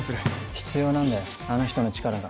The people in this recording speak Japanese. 必要なんだよ、あの人の力が。